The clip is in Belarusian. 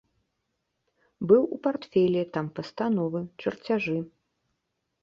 Быў у партфелі, там пастановы, чарцяжы.